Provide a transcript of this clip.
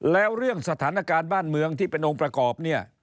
แล้วเรื่องสถานการณ์บ้านเมืองที่เป็นองค์ประกอบเนี่ย